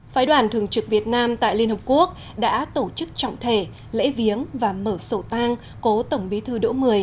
phái đoàn thường trực việt nam tại liên hợp quốc đã tổ chức trọng thể lễ viếng và mở sổ tang cố tổng bí thư đỗ một mươi